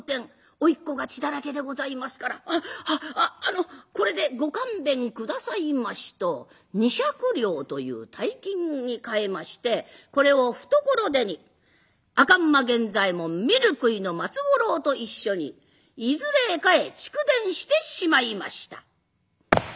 おいっ子が血だらけでございますから「あっあっあのこれでご勘弁下さいまし」と２百両という大金に換えましてこれを懐手に赤馬源左衛門みるくいの松五郎と一緒にいずれへかへ逐電してしまいました。